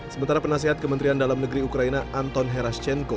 sementara penasihat kementerian dalam negeri ukraina anton herashchenko